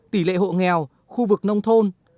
tỷ lệ hộ nghèo khu vực nông thôn